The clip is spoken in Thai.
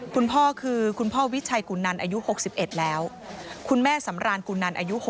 คุณพ่อคือคุณพ่อวิชัยกุนันอายุ๖๑แล้วคุณแม่สำรานกุนันอายุ๖๐